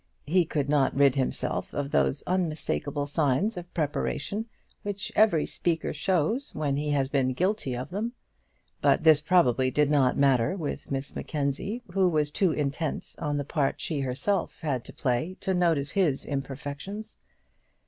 He could not rid himself of those unmistakable signs of preparation which every speaker shows when he has been guilty of them. But this probably did not matter with Miss Mackenzie, who was too intent on the part she herself had to play to notice his imperfections.